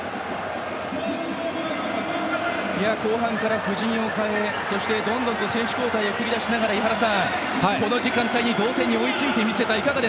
後半から布陣を変えどんどん選手交代を繰り出し井原さん、この時間帯に同点に追いついた。